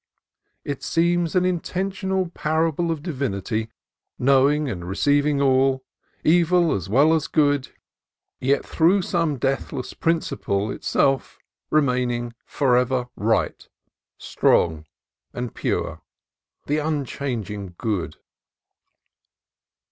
It seems an intentional parable of Divinity, knowing and receiving all, evil as well as good, yet through 214 CALIFORNIA COAST TRAILS some deathless principle itself remaining forever right, strong, and pure, the Unchanging Good.